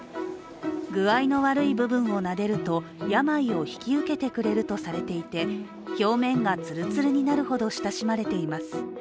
具合の悪い部分をなでると、病を引き受けてくれるとされていて表面がつるつるになるほど親しまれています。